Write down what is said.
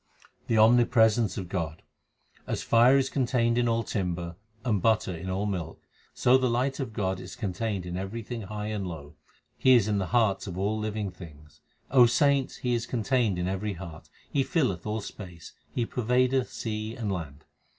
The omnipresence of God : As fire is contained in all timber, and butter in all milk, So the light of God is contained in everything high and low ; He is in the hearts of all living things. O saints, He is contained in every heart. He nlleth all space ; He pervadeth sea and land.